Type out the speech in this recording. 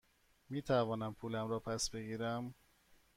می توانم پولم را پس بگیرم؟